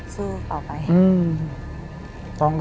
ใช่ค่ะสู้ต่อไป